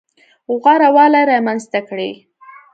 غوره والی رامنځته کړي.